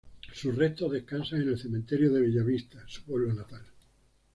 Sus restos descansan en el cementerio de Bella Vista, su pueblo natal.